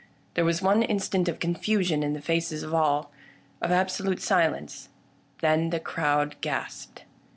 There was one in stant of confusion in the faces of all — of absolute silence. Then the crowd gasped.